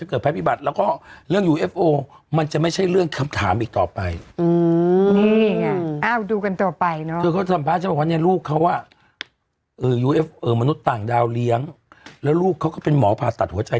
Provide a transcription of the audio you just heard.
และตอนนี้เป็นหมอภาษณ์ตำแหน่งหัวใจ